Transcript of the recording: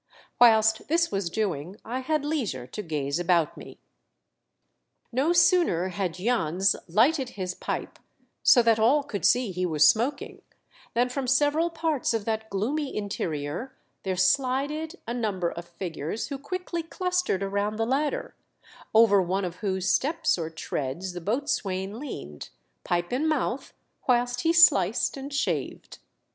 Whilst this was doing I had leisure to gaze about me. No sooner had Jans lighted his pipe, so that all could see he was smoking, than from several parts of that gloomy interior there slided a number of figures who quickly clustered around the ladder, over one of whose steps or treads the boatswain leaned, pipe in mouth, whilst he sliced and shaved.